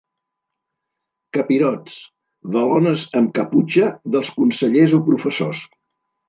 Capirots, valones amb caputxa dels consellers o professors.